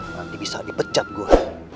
nanti bisa dipecat gua